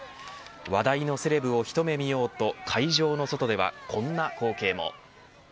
話題のセレブを一目見ようと会場の外ではこんな光景も。